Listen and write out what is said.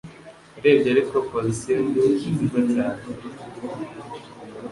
Urebye ariko opposition ni nziza cyane.